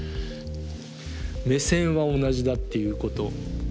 目線は同じだっていうこと。